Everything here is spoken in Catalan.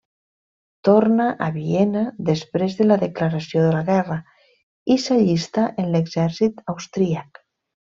Torna a Viena després de la declaració de la guerra, i s'allista en l'exèrcit austríac.